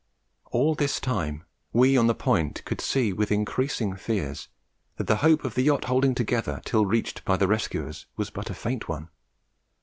All this time, we on the Point could see, with increasing fears, that the hope of the yacht holding together till reached by the rescuers was but a faint one.